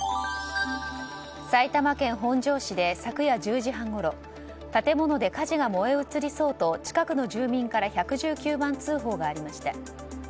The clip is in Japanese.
埼玉県本庄市で昨夜１０時半ごろ建物で火事が燃え移りそうと近くの住民から消防に１１９番通報がありました。